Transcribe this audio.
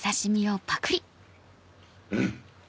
うん！